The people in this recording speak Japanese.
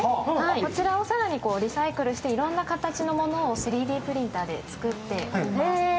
こちらを更にリサイクルしていろいろな形のものを３Ｄプリンターで作っています。